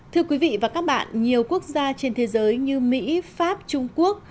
thưa quý vị và các bạn nhiều quốc gia trên thế giới như mỹ pháp trung quốc